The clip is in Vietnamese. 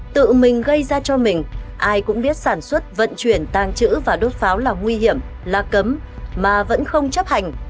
tự mình gây ra cho mình ai cũng biết sản xuất vận chuyển tàng trữ và đốt pháo là nguy hiểm là cấm mà vẫn không chấp hành